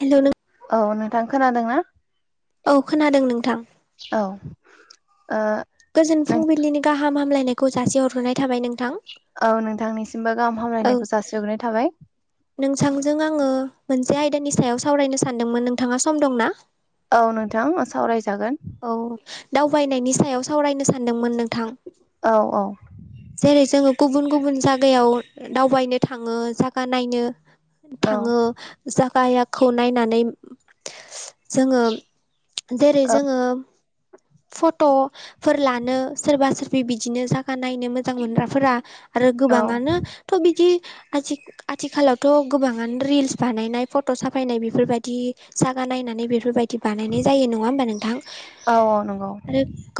हेल'नो औ नोंथां खोनादों ना औ खोनादों नोंथां औ ओ गोजोन नों फुंबिलिनि गाहाम हामलायनायखौ जासे हरहरनाय थाबाय नोंथां औ नोंथांनिसिमबो गाहाम औ हामलायनायखौ जासि हग्रोनाय थाबाय नोंथांजों आङो मोनसे आयदानि सायाव सावरायनो सानदोंमोन नोंथाङा सम दं ना औ नोंथां सावरायजागोन औ दावबायनायनि सायाव सावरायनो सानदोंमोन नों औ औ जेरै जोङो गुबुन गुबुन जागायाव दावबायनो थाङो जगा नायनो औ थाङो जागायाखौ नायनानै जोङो जेरै औ जोङो फट' फोर लानो सोरबा सोरबि बिदिनो जागा नायनो मोजां मोनग्राफोरा आरो औ गोबाङानो थ' बिदि आज आथिखालावथ' गोबाङानो रिल्स बानायनाय फट' साफायनाय बेफोरबायदि जागा नायनानै बेफोरबायदि बिदि बानायनाय जायो नङा होमबा नों औ औ नग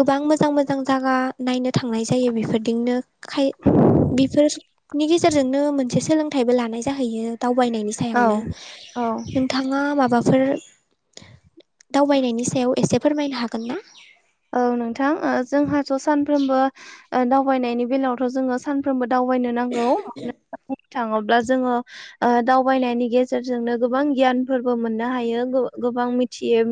गोबां मोजां मोजां जायगा नायनो थांनाय जायो बेफोरदिनो खाय बेफोरनि गेजेरजोंनो मोनसे सोलोंथाइबो लानाय जाहैयो दावबायनायनि सायावनो औ औ नोंथां नङा माबाफोर दावबायनायनि सायाव एसे फोरमायनो हागोन ना औ नोंथां जोंहाथ' सानफ्रोमबो दावबायनायनि बेलायावथ' जोङो सानफ्रोमबो दावबायनो नांगौ म बुंनो थाङोब्ला जोङो दावबायनायनि गेजेरजोंनो गोबां गियानफोरबो मोननो हायो गोबां मिथियै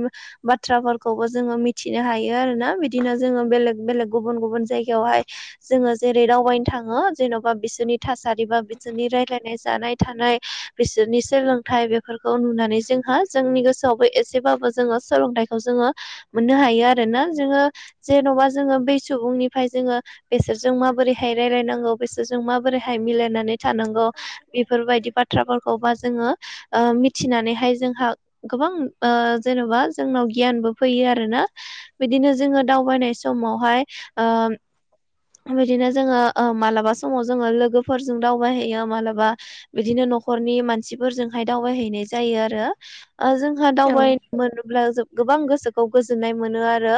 बाथ्राफोरखौबो जोङो मिथिनो हायो यो आरो ना बिदिनो जोङो बेलेग बेलेग गुबुन गुबुन जायगायावहाय जोङो जेरै रावबायनो थाङो जेन'बा बिसोरनि थासारि बा बिसोरनि रायलायनाय जानाय थानाय बिसोरनि सोलोंथाइ बेफोरखौ नुनानै जोंहा जोंनि गोसोआवबो एसेबाबो जोङो सोलोंथाइखौ जोङो मोननो हायो आरो ना जोङो जेन'बा जोङो बै सुबुंनिफ्राय जोङो बेसोरजों माबोरैहाय रायलायनांगौ बेसोरजों माबोरैहाय मिलायनानै थानांगौ बेफोरबायदि बाथ्राफोरखौबा जोङो मिथिनानैहाय जोंहा गोबां ओ जेन'बा जोंनाव गियानबो फैयो आरोना बिदिनो जोङो दावबायनाय समावहाय ओ बिदिनो जोङो ओ मालाबा समाव जोङो लोगोफोरजों दावबायहैयो मालाबा बिदिनो न'खरनि मानसिफोरजोंहाय दावबायहैनाय जायो आरो ओ जों आोंहा औ दावबायनो मोनोब्ला गोबां गोसोखौ गोजोननाय मोनो आरो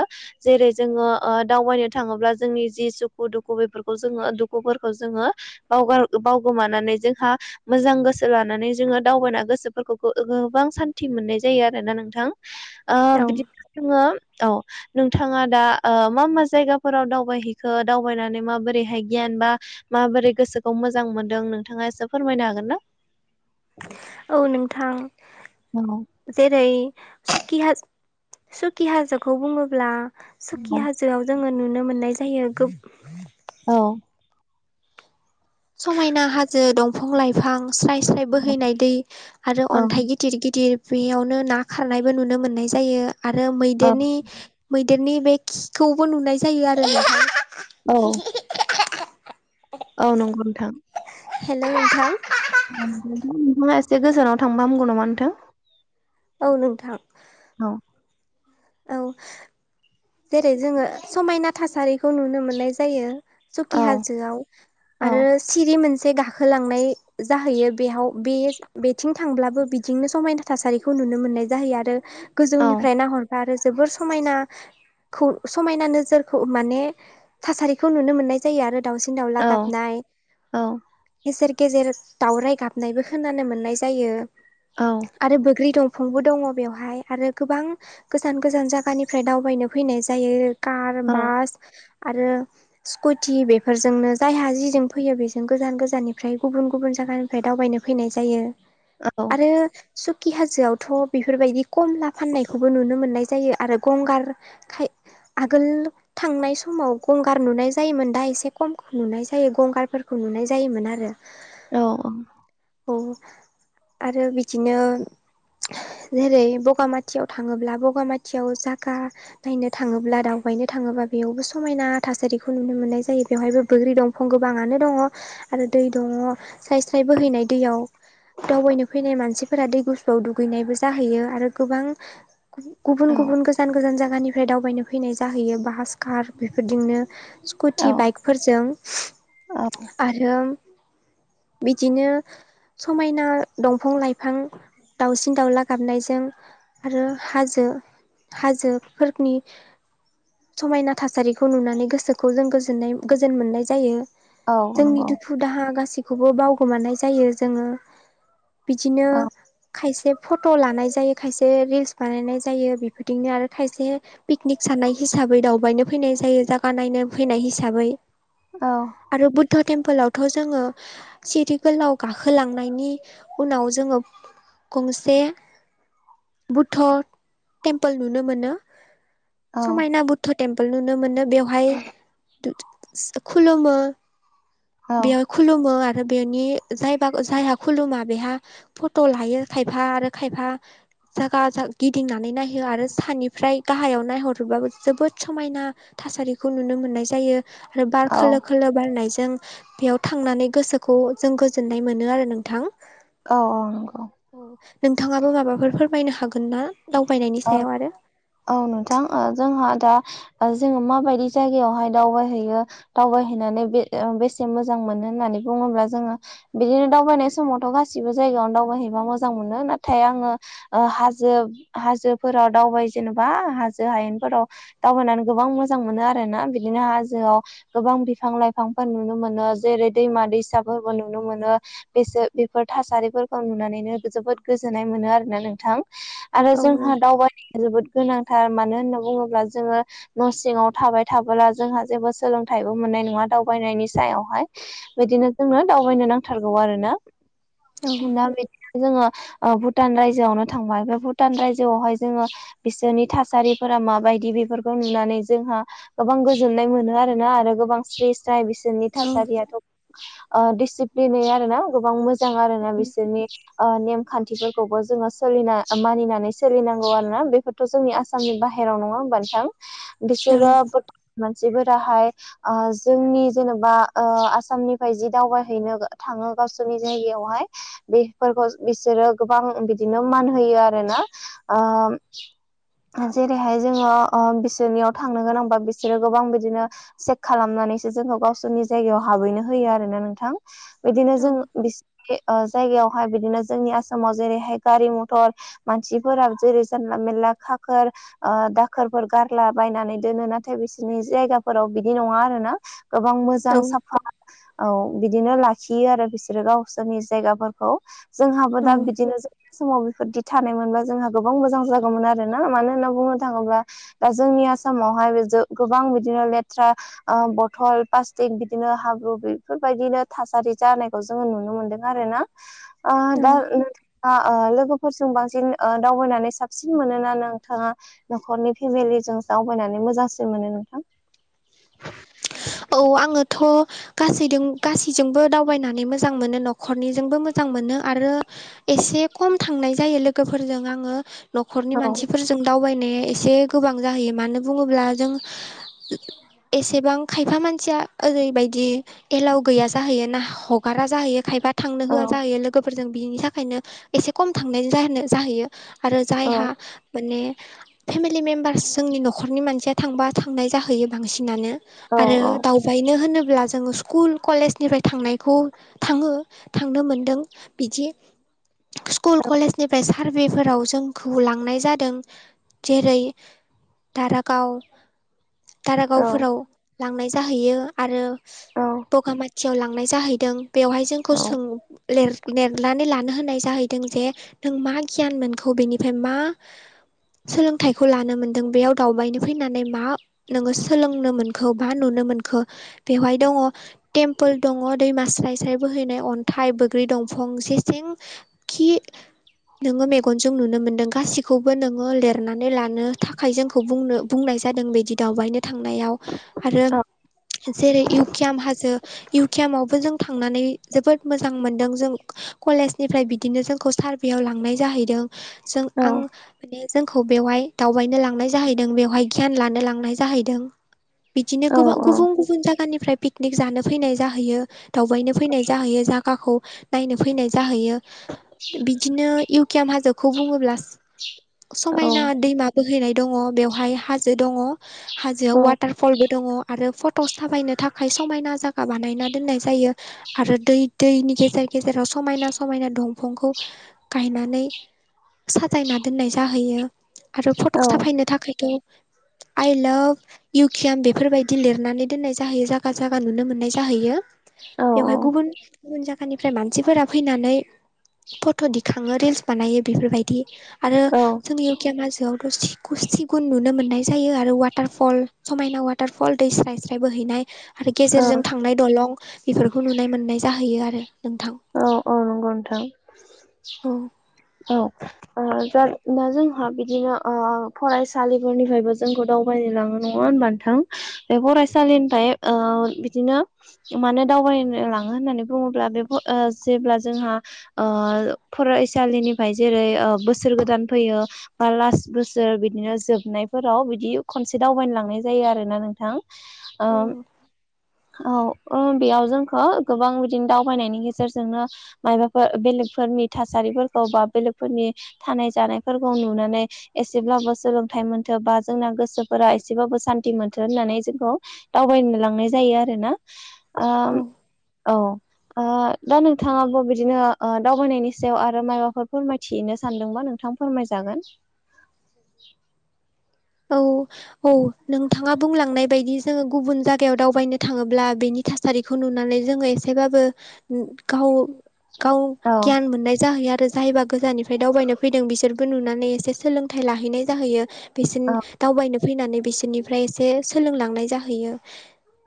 जेरै जोङो ओ दावबायनो थाङोब्ला जोंनि जि सुखु दुखु बेफोरखौ जोङो दुखुफोरखौ जोङो बावगार बावगोमानानै जोंहा मोजां गोसो लानानै जोङो दावबायना गोसोफोरखौ गोबां सान्थि मोननाय जायो आरोना नोंथां [inaudible] बिदिनो जोङो औ नोंथाङा दा मा मा जायगाफोराव दावबायहैखो दावबायनानै माबोरैहाय गियान बा माबोरै गोसोखौ मोजां मोनदों नोंथाङा एसे फोरमायनो हागोन ना? औ नोंथां औ जेरै सुकि हाज हाजोखौ बुङोब्ला सुकि हाज जोआव जोङो नुनो मोननाय जायो गोब औ समायना हाजो दंफां लाइफां स्राय स्राय बोहैनाय दै आरो औ अन्थाइ गिद गिदिर गिदिर बेयावनो ना खारनायबो नुनो मोननाय जायो आरो औ मैदेरनि मैदेरनि बे खिखौबो नुनाय जायो आरोना औ औ नंगौ नोंथां हेलौ नोंथां नोंथाङा एसे गोजानाव थांबा हामगौ नामा नोंथां औ नोंथां औ औ जेरै जोङो समायना थासारिखौ नुनो मोननाय जायो सखि औ हाजोआव औ आरो सिरि मोनसे गाखोलांनाय जाहैयो बेयाव बेज बेथिं थांब्लाबो बिदिनो समायना थासारिखौ नुनो मोननाय जाहोयो आरो औ गोजौनिफ्राय नाहरबा आरो जोबोर समायना खौ समायना नोजोरखौ माने थासारिखौ नुनो मोननाय जायो आरो दाावसिन औ दाउला गाबनाय औ गेजेर गेजेर दावराइ गाबनायबो खोनानो मोननाय जायो आरो बोग्रि दंफांबो दङ बेवहाय आरो गोबां गोजान गोजान जायगानिफ्राय दावबायनो फैनाय जायो कार, औ बास आरो स्कुटि बेफोरजोंनो जायहा जिजों फैयो बेजों गोजान गोजाननिफ्राय गुबुन गुबुन जागा फ्राय दावबायनो फैनाय जायो आरो सुखि हाजोआवथ' बेफोरबायदि खमला फाननायखौबो नुनो मोननाय जायो आरो गंगार खाय आगोल थांनाय समाव गंगार नुनाय जायोमोन दा एसे खमखौ नुनाय जायो गंगारफोरखौ नुनाय जायोमोन आरो [inaudible] औ औ औ आरो बिदिनो जेरै बगामाथियाव थाङोब्ला ब बगामाथियाव जागा नायनो थाङोब्ला दावबायनो थाङोब्ला बेयावबो समायना थासारिखौ नुनो मोननाय जायो बेवहायबो बोग्रि दं फं गोबाङानो दङ आरो दै दङ स्राय स्राय बोहैनाय दैयाव दावबायनो फैनाय मानसिफोरा दै गुसुआव दुगैनायबो जाहैयो आरो गोबां गुबुन गुबुन गोज गोजान गोजान जायगानिफ्राय दावबायनो फैनाय जाहैयो बाहास, कार बेफोरजोंनो स्कुटि औ बाइकफोरजों औ आरो बिदिनो समायना दंफां लाइफां दाउसिन दाउला गाबनायजों आरो हाजो हाजोफोरनि समायना थासारिखौ नुनानै गोसोखौ जों गोजोननाय गोजोन मोननाय जायो औ जोंनि नंगौ दुखु दाहा गासैखौबो बावगोमानाय जायो जोङो बिदिनो औ खायसे फट' लानाय जायो खायसे रिल्स बानायनाय जायो बेफोरदिनो आरो खायसे पिकनिक सानाय हिसाबै दावबायनो फैनाय जायो जायागा नायनो फैनाय हिसाबै औ। आरो बुद्ध टेम्पोलावथ' जोङो सिरि गोलाव गाखोलांनायनि उनाव जोङो गंसे धह तेमपोल नुनो मोन औ समायना बुद्ध तेम्पोल नुनो मोनो बेयव हाय खुलुमो औ खुलुमो आरो बेनि ज जायहा खुलुमा बेहा फट' लायो खायफा आरो खायफा गाजा गिदिंनानै नायहो आरो सनिफ्राय गाहायाव नायहरबाबो जोबोद समायना थासारिखौ नुनो मोननाय जायो आरो बार औ खोलो खोलो बारनायजों बेयाव थांनानै गोसोखौ जों गोजोननाय मोनो आरो नोंथां। औ औ नंगौ। औ नोंथाङाबो माबाफोर फोरमायनो हागोन ना दावबायनायनि औ सायाव आरो औ नोंथां जोंहा दा जोङो माबायदि जायगायावहाय दावबायहैयो दावबायहैनानै बे बेसे मोजां मोनो होननानै बुङोब्ला जोङो बिदिनो दावबायनाय समावथ' गासिबो जायगायावनो दावबायहैबा मोजां मोनो नाथाय आङो हाजो हाजोफोराव दावबाय जेनेबा हाजो हायेनफोराव दावबायनानै गोबां मोजां मोनो आर ना बिदिनो हाजोआव गोबां बिफां लाइफांफोर नुनो मोनो जेरै दैमा दैसाफोरबो नुनो मोनो। बेसोर बेफोर थासारिफोरखौ नुनानैनो जोबोद गोजोननाय मोनो आरोना नोंथां। आरो औ जोंहा नोंथां दावबायनाया जोबोद गोनांथार मानो होनना बुङोब्ला जोङो न' सिङाव थाबाय थाबोला जोंहा जेबो सोलोंथाइबो मोननाय नङा दावबायनायनि सायावहाय बिदिनो जोंनो दावबायनो नांथारगौ आरो ना बिदिनो जोङो ओ भुटान रायजोआवनो थांबाय बे भुट भुटान रायजोआवहाय जोङो बिसोरनि थासारिफोरा माबायदि बेफोरखौ नुनानै जोंहा गोबां गोजोननाय मोनो आरोना आरो गोबां स्रिस जाय बिसोरनि औ औ थासारियाथ' ओ दिसिप्लिन आर ना गोबां मोजां मोजां आरोना बिसोरनि नेम खान्थिफोरखौबो जोङो सोलिना मानिनानै सोलिनांगौ आरोना बेफोरथ' जोंनि आसामनि बाहेरायाव नङा होमबा नोथां औ बिसोरो बरथम मानसिफोराहाय जोंनि जेनेबा आसामनिफ्राय जि दावबायहैनो थाङो गावसोरनि जायगायावहाय बेफोरखौ बिसोरो गोबां बिदिनो मान होयो आर ना जेरैहाय जोङो बिसोरनियाव थांनो गोनांबा बिसोरो गोबां बिदिनो चेक खालामनानैसो जोंखौ गावसोरनि जायगायाव हाबहैनो होयो आरोना नोंथां बिदिनो जों औ जायगायावहाय बिदिनो जोंनि आसामाव जेरैहाय गारि म'थर मानसिफोरा जेरै जानला मेनला खाखोर दाखोरफोर गारला बायनानै दोनो नाथाय बिसोरनि जायगाफोराव बिदि नङा आरो ना। गोबां मोजां मोजां साफा औ बिदिनो लाखियो आरो बिसोरो गावसोरनि जायगाफोरखौ जोंहाबो दा औ बिदिनो जों समाव बेफोर दि थानायमोनबा जोंहा गोबां मोजां जागौमोन आर ना मानो होनना बुंनो थाङोब्ला दा जोंनि आसामावहाय बे गोबां बिदिनो लेथ्रा बथल प्लास्टिक बिदिनो हाब्रु बेफोरबायदिनो थासारि जानायखौ जोङो नुनो मोनदों आरो ना आ फोरजों बांसिन दावबायनानै साबसिन मोनोना नोंथाङा न'खरनि फेमिलिजों सावरायनानै मोजांसिन मोनो नोंथां औ आङोथ' गासैदों गासैजोंबो दावबायनानै मोजां मोनो न'खरनिजोंबो मोजां मोनो आरो। एसे खम थांनाय जायो लोगोफोरजों आङो न'खरनि औ मानसिफोरजों जों दावबायनाया एसे गोबां जाहैयो मानो बुङोब्ला जों एसेबां खायफा मानसिया ओरैबायदि एलाव गैया जाहैयो ना हगारा जाहैयो खायफा थांनो औ होआ जाहैयो लोगोफोरजों बिनि थाखायनो एसे खम थांनाय ज' जाहैयो आरो औ जायहा माने फेमिलि मेम्बार्स जोंनि न'खरनि मानसिया थांबा थांनाय जाहैयो बांसिनानो औ आरो औ दाउ बेनो होनोब्ला जोङो स्कुल कलेजनिफ्राय थांनायखौ थाङो-थांनो मोनदों। बिदि स्कुल कलेजनिफ्राय सार्भेफोराव जोंखौ लांनाय जादों जेरै दारागाव औ दारागावफोराव लांनाय जाहैयो आरो औ बगामाथियाव लांनाय जाहैदों। बेवहाय औ जोंखौ सों लिरनानै लानो होनाय जाहै दों जे नों मा गियान मोनखौ बेनिफ्राय मा सोलोंथाइखौ लानो मोन्दों बेयाव दावबायनो फैनानै मा नोङो सोलोंनो मोन खो बा नुनो मोनखो बेवहाय दङ टेम्पोल दङ दैमा स्राय स्राय बोहैनाय अन्थाइ बैग्रि दंफां जे सिं खि नोङो मेगनजों नुनो मोनदों गासिखौबो नोङो लिरनानै लानो थाखाय जोंखौ बुंनो बुंनाय जादों बिदि दावबायनो थांनायाव आरो जेरै इउकियाम हाजो इउ कियामावबो जों थांनानै जोबोद मोजां मोनदों जों कलेजनिफ्राय बिदिनो जोंखौ सारभेयाव लांनाय जाहैदों जों आं माने जोंखौ बेवहाय दावबायनो लांनाय जाहैदों बेवहाय गियान लानो लांनाय जाहैदों। बिदिनो गोबां गुबुन गुबुन जागानिफ्राय पिकनिक जानो फैनाय जाहैयो। दावबायनो फैनाय जाहैयो जागाखौ नायनो फैनाय जाहैयो बिदिनो इउकियाम हाजोखौ बुङोब्ला समायना दैमा बोहैनाय दङ बेवहाय हाजो दङ हाजोआव वाटार फलबो दङ। आरो फट'स साफायनो थाखाय समायना जायगा बानायना दोननाय जायो। आरो दै दैनि गेजेर गेजेराव समायना समायना दंफांखौ गायनानै साजायना दोननाय जाहैयो आरो फट' साफायनो थाखायथ' आइ लाभ इउकियाम बेफोरबायदि लिरनानै दोननाय जाहैयो जायगा जायगा नुनो मोननाय जाहैयो। बेवहाय गुबुन गुबुन जायगानिफ्राय मानसिफोरा फैनानै फट' दिखाङो रिल्स बानायो बेफोरबायदि आरो जों यउवं दंकियाम हाजोआवथ' सिगुन नुनो मोननाय जायो आरो वाटारफल समायना वाटारफल दै स्राय स्राय बोहैनाय आ रो औ गेजेरजों औ थांनाय दलं बेफोरखौ नुनाय मोननाय जाहैयो आरो नोंथां। औ औ नंगौ नोंथां। औ औ ओ दा जोंहा बिदिनो ओ फरायसालिफोरनिफ्रायबो जोंखौ दावबायनो लाङो नङा होनबा नों थां बे फरायसालिनिफ्राय ओ बिदिनो मानो दावबायनो लाङो होननानै बुङोब्ला बेफोर जेब्ला जोंहा ओ फरायसालिनिफ्राय जेरै बोसोर गोदान फैयो बा लास्ट बोसोर बिदिनो जोबनायफोराव बिदि खनसे दावबायनो लांनाय जायो आरोना नोंथां। औ नों औ औ बेयाव जोंखौ गोबां बिदिनो दावबायनायनि गेजेरजोंनो माबाफोर बेलेगफोरनि थासारि बा बेलेगफोरनि थानाय जानायफोरखौ नुनानै एसेब्लाबो सोलोंथाइ मोनथों बा जोंना गोसोफोरा एसेब्लाबो सान्थि मोनथों होननानै जोंखौ दावबायनो लांनाय जायो आरो ना। ओ औ औ ओ दा नोंथाङाबो बिदिनो ओ दावबायनायनि सायाव आरो। आरो मायबाफोर फोरमायथिनो सानदोंबा नोंथां फोरमायजागोन औ औ नोंथाङा बुंलांनाय बायदि जोङो गुबुन जायगायाव दावबायनो थाङोब्ला बेनि थासारिखौ नुनानै जोङो एसेबाबो गाव गाव औ गियान मोननाय जाहैयो आरो। जायोबा गोजाननिफ्राय दावबायनो फैदों बिसोरबो नुनानै एसे सोलोंथाइ लाहैनाय जाहैयो औ बिसोरनि दावबायनो फैनानै बिसोरनिफ्राय एसे सोलोंलांनाय जाहैयो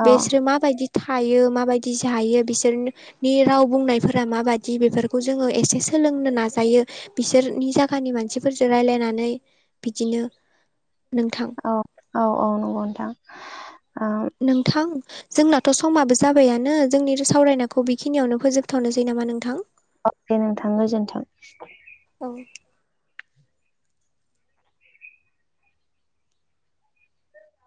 औ बिसोरो माबायदि थायो माबायदि जायो बिसोरनो नि राव बुंनायफोरा माबायदि बेफोरखौ जोङो एसे सोलोंनो नाजायो। बिसोरनि जायगानि मानसिफोरजों रायज्लायनानै बिदिनो नोंथां। औ औ औ नंगौ नोंथां। नोंथां। जोंनाथ' समाबो जाबायानो जोंनि सावरायनाखौ बेखिनियावनो फोजोबथावनोसै नामा नोंथां? अके नोंथां गोजोनथों। औ